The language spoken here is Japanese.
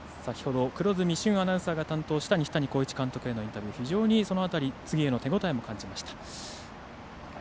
黒住駿アナウンサーが担当した西谷監督へのインタビュー、非常にその辺り次への手応えも感じました。